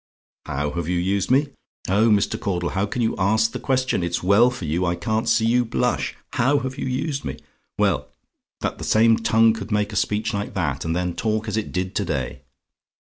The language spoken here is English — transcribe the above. "HOW HAVE YOU USED ME? "Oh, Mr. Caudle, how can you ask that question? It's well for you I can't see you blush. HOW have you used me? "Well, that the same tongue could make a speech like that, and then talk as it did to day!